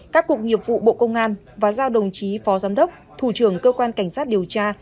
các cục nghiệp vụ bộ công an và giao đồng chí phó giám đốc thủ trưởng cơ quan cảnh sát điều tra